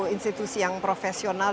institusi yang profesional